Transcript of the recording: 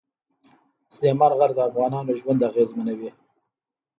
سلیمان غر د افغانانو ژوند اغېزمنوي.